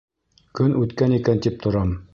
Көн үткән икән тип торам.